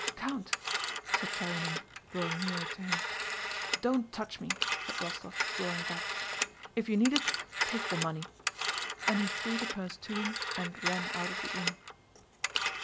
"Count..." said Telyánin drawing nearer to him. "Don't touch me," said Rostóv, drawing back. "If you need it, take the money," and he threw the purse to him and ran out of the inn.